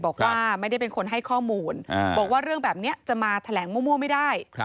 บอกว่าไม่ได้เป็นคนให้ข้อมูลบอกว่าเรื่องแบบนี้จะมาแถลงมั่วไม่ได้